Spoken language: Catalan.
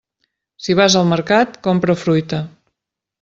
Si vas al mercat, compra fruita.